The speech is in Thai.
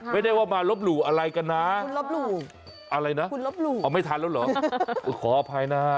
ไม่ได้ว่ามาลบหลู่อะไรกันนะอะไรนะเอาไม่ทันแล้วเหรอขออภัยนะ